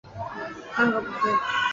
桑格布斯。